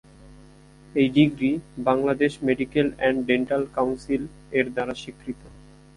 এই degree Bangladesh medical and dental কাউন্সিল-এর দ্বারা স্বীকৃত।